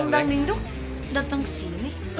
om brandingduk datang ke sini